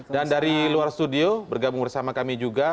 dan dari luar studio bergabung bersama kami juga